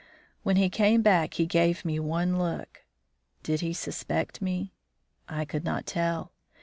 When he came back he gave me one look. Did he suspect me? I could not tell.